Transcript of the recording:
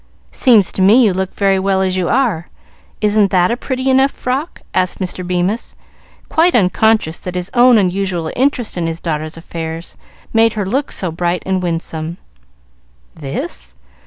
"Seems to me you look very well as you are. Isn't that a pretty enough frock?" asked Mr. Bemis, quite unconscious that his own unusual interest in his daughter's affairs made her look so bright and winsome. "This?